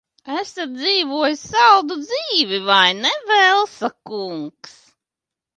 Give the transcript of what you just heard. Esat dzīvojis saldu dzīvi, vai ne, Velsa kungs?